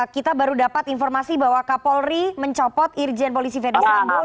kita baru dapat informasi bahwa kak polri mencopot irjen polisi ferdisambo